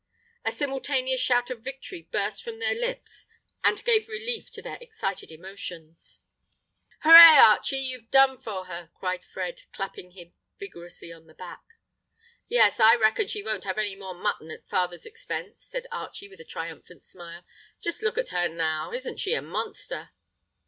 A simultaneous shout of victory burst from their lips and gave relief to their excited emotions. [Illustration: "ARCHIE AIMED STRAIGHT AT THE BEAR'S HEART."] "Hurrah, Archie! You've done for her," cried Fred, clapping him vigorously on the back. "Yes. I reckon she won't have any more mutton at father's expense," said Archie with a triumphant smile. "Just look at her now. Isn't she a monster?"